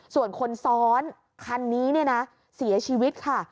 ส่วนคนซ้อนคันนี้เนี่ยนะเสียชีวิตค่ะ